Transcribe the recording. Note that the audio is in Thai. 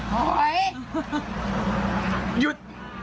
หยุด